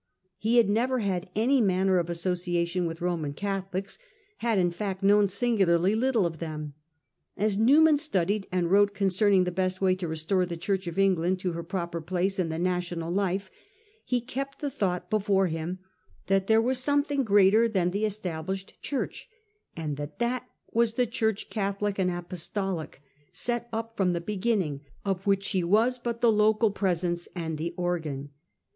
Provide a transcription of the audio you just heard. He had never had any manner of asso ciation with Roman Catholics ; had in fact known singularly little of them. As Newman studied and wrote concerning the best way to restore the Church of England to her proper place in the national life, he kept the thought before him ' that there was some thing greater than the Established Church, and that that was the Church Catholic and Apostolic, set up from the beginning, of which she was but the local presence and the organ.